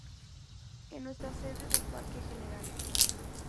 En nuestra Sede del Parque Gral.